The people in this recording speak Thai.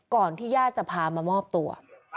พ่อว่าย่าจะพามามอบตัว